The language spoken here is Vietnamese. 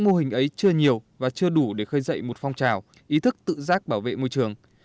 mô hình ấy chưa nhiều và chưa đủ để khơi dậy một phong trào ý thức tự giác bảo vệ môi trường